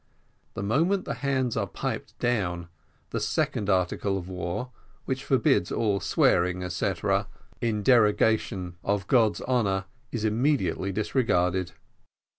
The moment the hands are piped down, the second article of war, which forbids all swearing, etcetera, in derogation of God's honour, is immediately disregarded.